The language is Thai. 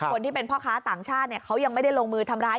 คนที่เป็นพ่อค้าต่างชาติเขายังไม่ได้ลงมือทำร้าย